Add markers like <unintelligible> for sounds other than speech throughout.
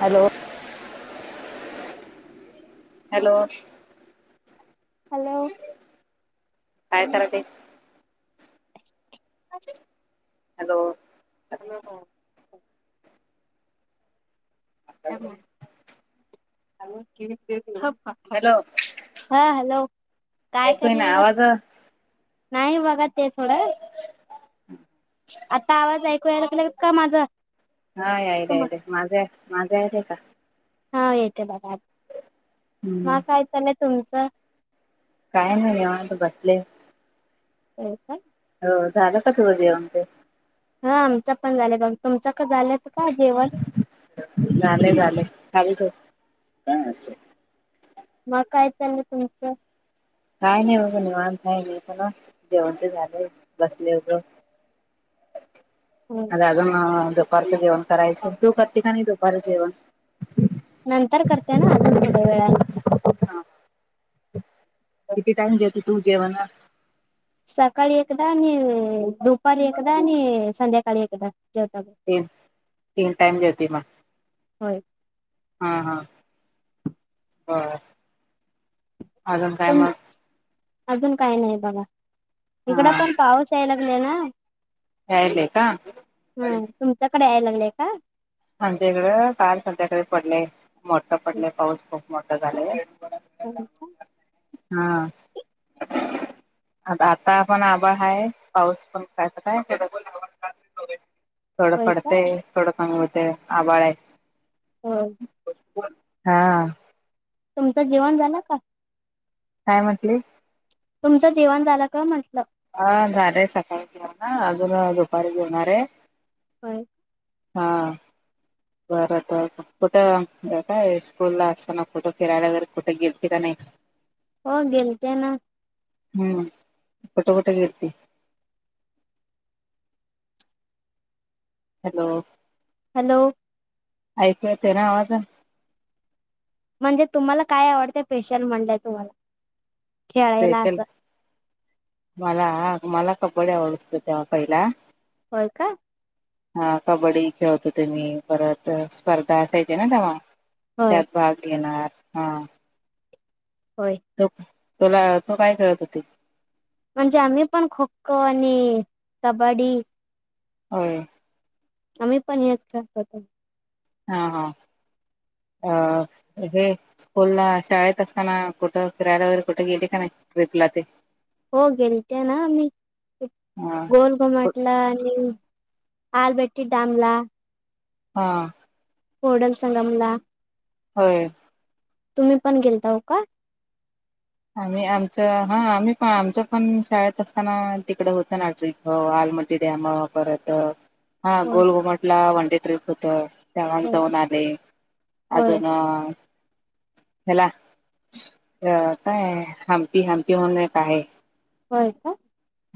Hello. Hello. Hello. काय करायली? <unintelligible> Hello. Hello. Hello <unintelligible> हा hello, काय ऐकू ना करायलेलात? आवाज नाही मगा ते थोडं आता आवाज ऐकू यायला का नाही का माझं? हा यायले यायले माझे माझे यायले का? हा येते बघा. हम्म मग काय चालंय तुमचं? काय नाही निवांत बसले. हो का? हो झालं का तुझं जेवण ते? हा आमचं पण झालंय बघ, तुमचं का झालंत का जेवण? झाले झाले. <unintelligible> मग काय चालू तुमचं? काय नाही बघ निवांत आहे मी पण जेवण ते झाले बसले उग. हम्म. झालं मग दुपारचं जेवण करायचं, तू करती का नाही दुपारी जेवण? नंतर करते ना अजून थोड्या वेळानी. हा किती टाइम जेवते तू जेवणं? सकाळी एकदा आणि दुपारी एकदा आणि संध्याकाळी एकदा जेवतात. तेच तीन टाईम जेवती मग. होय. हा हा बर, अजून काय मग? अजून काही नाही बघा, इकडं हा पण पाऊस याय लागले ना. यायलय का? हम्म तुमच्याकडे याय लागलंय का? आमच्या इकडं काल संध्याकाळी पडलेय मोठं पडलंय पाऊस खूप मोठं झालयं. होय का? हा. आता आता पण आभाळ हाय पाऊस पण <unintelligible> <inaudible> थोड का पडतंय थोडं कमी होतंय, आभाळ हाय. हम्म. हा. तुमचं जेवण झालं का? काय म्हटली? तुमचं जेवण झालं का म्हंटलं? हा झालय सकाळचं आता, अजून अं दुपारी जेवणार आहे काय? हा. बरं तर कुठं, काय स्कूल ला असताना कुठं फिरायला वगैरे कुठ गेलती का नाय? हो गेलते ना. हम्म कुट कुट गेलती? हॅलो! हॅलो! ऐकू येते ना आवाज? म्हणजे तुम्हाला काय आवडतं स्पेशल म्हणलंय तुम्हाला? खेळायला स्पेशल असं मला, हा मला पकोडे आवडत होते तेव्हा पहिला होय का? हा कबड्डी खेळत होते मी. परत स्पर्धा असायच्या ना तेव्हा. होय त्यात भाग घेणार. हा. होय. तो, तुला, तु काय खेळत होती? म्हणजे आम्ही पण खो खो आणि कबड्डी होय. आम्ही पण हेच खेळत होते. हा हा अ हे स्कूल ला, शाळेत असताना कुठं फिरायला वगैरे कुठ गेली का नाय ट्रिपला ते? हो गेलते ना मी. ते हा गोल कु- <unintelligible> आणि आलबट्टी डॅम ला. हा. <unintelligible> ला. होय. तुम्ही पण गेलताओ का? आम्ही, आमच हा आम्ही पण, आमचं पण शाळेत असताना तिकड होतं ना ट्रिप. हो आलमटी डॅम परत, हा होय गोलघुमटला वन डे ट्रीप होत. तेव्हा मी होय जाऊन आले. होय अजून याला अ काय? हम्पी हम्पी म्हणून एक आहे. होय का?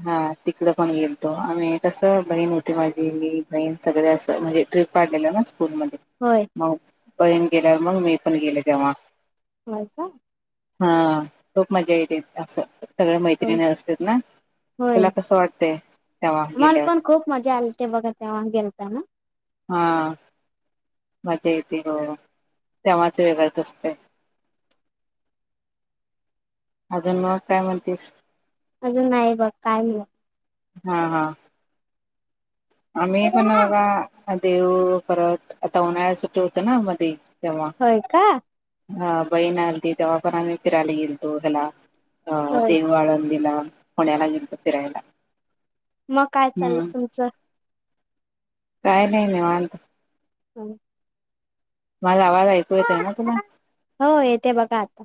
हा तिकड पण गेलतो. आणि कसं बहीण मोठी माझी, मी बहीण सगळे असं म्हणजे ट्रिप काढलेलं ना स्कूलमधे. होय. मग बहीण गेल्यावर मग मी पण गेल तेव्हा. होय काय? हा, खूप मजा येते! असं, सगळ्या होय मैत्रिणी असतात ना? होय, तुला कसं वाटतंय तेव्हा मला गेल्यावर पण खूप मजा आली. ते बघा तेव्हा गेलता ना. हा. मज्या येते ग, तेव्हाच वेगळच असतय! अजून मग काय म्हणतीस? अजून नाही बघ काय मुलं हा हा. आम्ही पण बघा देऊ परत आता उन्हाळ्या च सुट्टी होत ना मध्ये. तेव्हा होय का हा बहीण आलती तेव्हा पण आम्ही फिरायला गेलतो हेला. अं होय देहू आळंदीला. पुण्याला गेलतो फिरायला. मग काय चाललय हम्म तुमचं? काय नाही निवांत. आणि माझा आवाज ऐकू येतय ना तुला? हो येते बघा आता.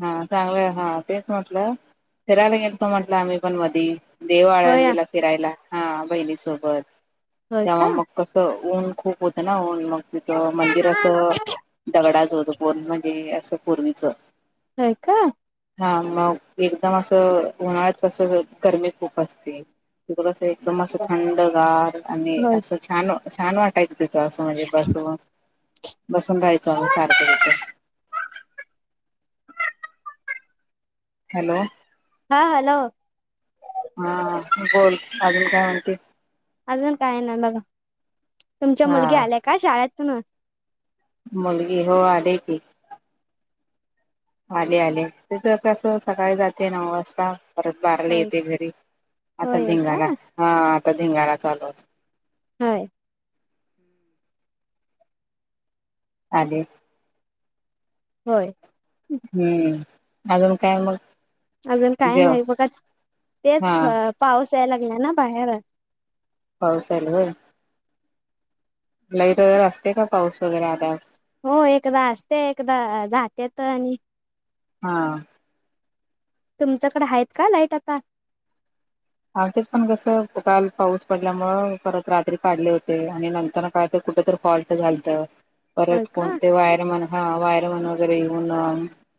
हा चांगलं हा तेच म्हटलं फिरायला गेल तो म्हंटल आम्ही पण मधी. देहू होय आळंदीला फिरायला. हा बहिणीसोबत. होय का तेव्हा मग कसं ऊन खूप होतं ना? ऊन मग तिथं मंदिर असं दगडाच होत पूर्ण म्हणजे असं पूर्वीचं होय काय? हा मग एकदम असं उन्हाळ्यात कस गरमी खूप असते. तिथं कसं एकदम असं थंडगार आणि होय असं छान छान वाटायच असं म्हणजे बसून. बसून राहायचो आम्ही सारखं तिथं. हॅलो. हा हॅलो. हा बोल अजून काय म्हणती? अजून काय नाही बघा. तुमच्या मुलगी हा आल्या काय शाळेतून. मुलगी हो आले की. आले आले ते तर कसं सकाळी जाते नऊ वाजता. परत बाराला होय येते घरी. आता होय का धिंगाणा. हा आता धिंगाणा चालू असतो. होय? आले होय? हम्म. अजून काय मग? अजून काय जेव नाही बघा. हा तेच पाऊस यायला लागला ना बाहेर. पाऊस यालय होय? लाईट असते काय पाऊस वगैरे आल्यावर. हो एकदा असते एकदा जातेेत आणि हा. तुमचकड आहेत का लाईट आता? आमचेत पण कसं काल पाऊस पडल्यामुळ परत रात्री काढले होते आणि नंतर काय तर कुठ तरी फॉल्ट झालतं. होय परत का कोणते वायरमन हा वायरमन वगैरे येऊन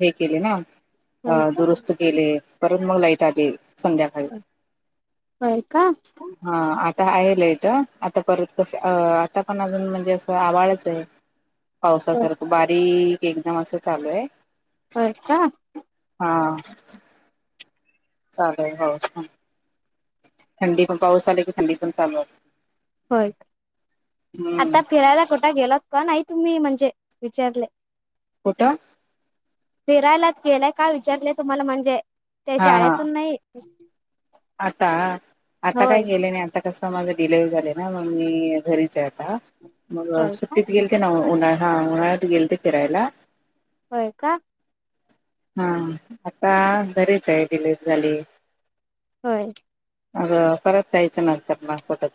हे केले ना? अ होय का दुरुस्त केले परत मग लाईट आली संध्याकाळी. होय का? हा आता आहे लयट आता परत कस अ आता पण अजून म्हणजे असं आवाळच आहे. <inaudible> पावसासारखं बारीक एकदम असं चालू आहे. होय का? हा. चालेल हो.. थंडी पण पाऊस आले की थंडी पण चालू होत्या. होय आता हम्म. फिरायला कुठे गेलत का नाही तुम्ही म्हणजे विचारले? कुठ? फिरायला गेलाय का विचारलंय तुम्हाला म्हणजे ते हा हा शाळेतून नाही. आता आता काय होय गेले नाही. आता कस माझ डिलिवरी झालयं, ना मग मी घरीच आहे आता, मग होय का सुट्टीत गेलेत <inaudible> उन्हाळ्यात गेलेते फिरायला. होय काय? हा आता बरीच आहे डिलीट झाली. हो. अग परत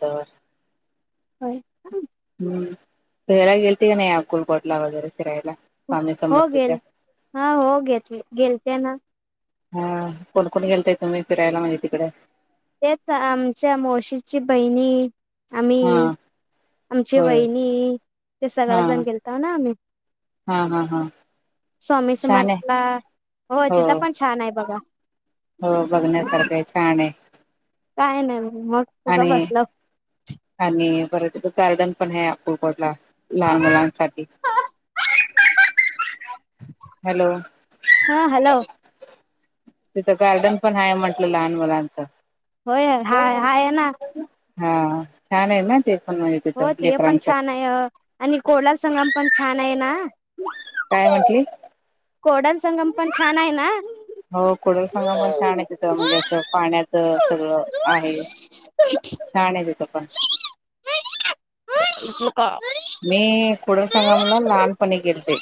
<inaudible> हो का? हम्म.. तू ह्याला गेलती का नाही अक्कलकोटला वगैरे फिरायला? स्वामी हो गेल समर्थच्या हा हो घेत गेलते ना. हा कोण कोणी गेलताय तुम्ही फिरायला म्हणजे तिकडे? तेच आमच्या मावशीची बहिणी, हा आम्ही आमची होय वहिनी ते हा सगळं जण गेलताव ना आम्ही. हा हा हा स्वामी छान आहे समर्थला हो तिथं पण छान आहे बघा. हो बघण्यासारखं हाय छान आहे. काय नाही मग. उग आणि बसलो आणि परत गार्डन पण हाय अक्कलकोट ला. लहान मुलांसाठी. हॅलो! हा हॅलो. तिथं गार्डन पण आहे म्हटलं, लहान मुलांचं. होय? हाय हाय आहे ना. हा छान आहे ना, ते पण मग. हो ते पण छान आहे आणि कुडल संगम पण छान आहे ना? काय म्हंटली? कोडल संगम पण छान आहे ना. हो कुडल संगम पण छान आहे तिथं म्हणजे असं पाण्यात सगळं आहे. छान आहे तिथ पण. <inaudible> ह. मी कुडल संगमला लहानपणी गेलते.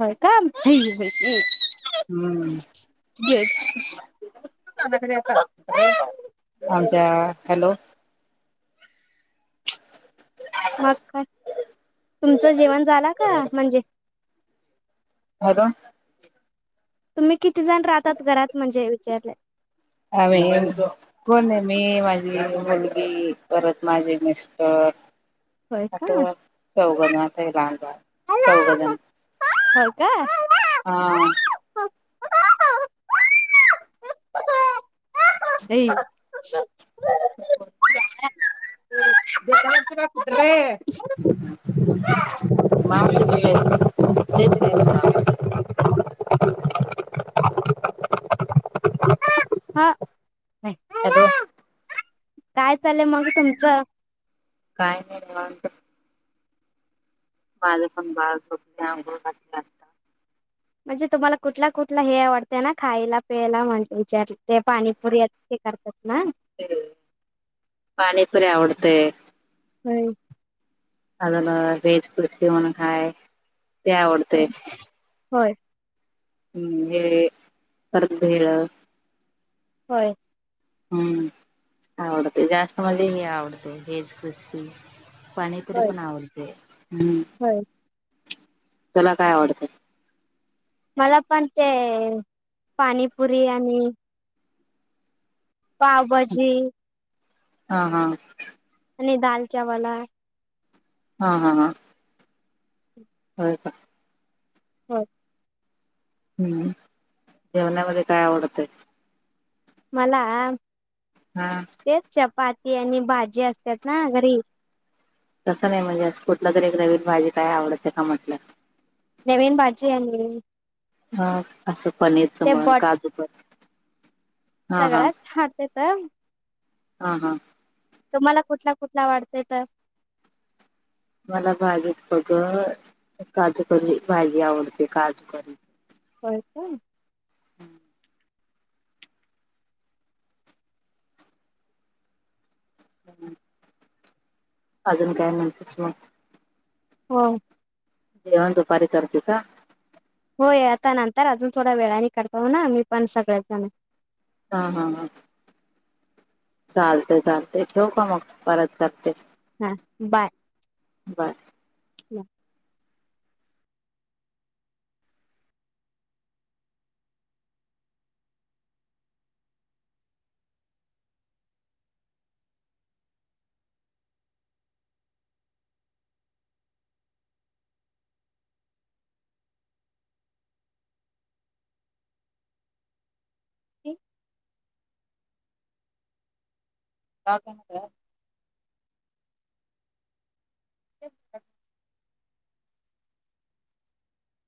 होय का? हम्म.. <inaudible> आमच्या हॅलो मग काय? तुमचं जेवण झालं का? म्हणजे अजून? तुम्ही किती जण राहतात घरात म्हणजे विचारले? आम्ही.. कोण नाही मी, माझी मुलगी परत माझे मिस्टर. होय का असं चौघजण आता हे लहान लहान बाळ.. होय काय. हा. <unintelligible> नही <unintelligible> <unintelligible> <unintelligible> हा, नाही हॅलो काय चाल्लेय मग तुमचं. काय नही निवांत. माझं पण बाळ झोपल्या, अंघोळ घातल्या. म्हणजे तुम्हाला कुठला कुठला हे आवडतं ना खायला पियला म्हणल विचारु, ते पाणीपुरी. ते करतात ना. पाणीपुरी आवडतेय. हम्म अजून अ व्हेज कुर्ची म्हणून हाय ते आवडतंय एक. होय हम्म हे <unintelligible> कानातली भेळ होय. हम्म आवडते जास्त मले, हे आवडते हेज क्रिस्पी. पाणीपुरी पण आवडते. हम्म व्हयं. तुला काय आवडते? मला पण ते पाणीपुरी आणि - पावभाजी हा हा. आणि दाल चावल आय हा हा हा. होय का व्हयं हम्म, जेवणामध्ये काय आवडतंय. मला-आम हा. तेच चपाती आणि भाजी असतात ना घरी. तसं नाही म्हणजे अस कुठलं तरी एक नवीन भाजी काय आवडते का म्हटलं. नवीन भाजी आणि ह असं पनीरचं ते मन काजूपण. सगळ्यात छानं तेत हा हां. तुम्हाला कुठला कुठला वाडते तर- मला भाजीत फक काजूकरी भाजी आवडते काजूकरी. होय का हम्म दमान अजून काय म्हणतेस मग. हो. जेवण दुपारी करती का? होय आता नंतर अजून थोडा वेळाने करतो ना मी पण सगळेजण. हा हा हा चालतंय चालतंय ठेऊ का मग परत करते. हां बाय. बाय. <inaudible> का पण ग? <unintelligible>